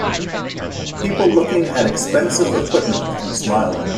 people looking at expensive equipment and smiling